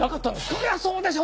そりゃそうでしょ